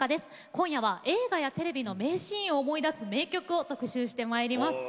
今夜は映画やテレビの名シーンを思い出す名曲をお届けしてまいります。